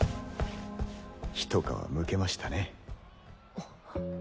一皮むけましたね。